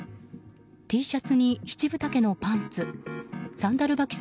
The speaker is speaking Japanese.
Ｔシャツに７分丈のパンツサンダル履き